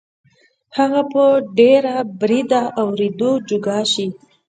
هغه به تر ډېره بریده د اورېدو جوګه شي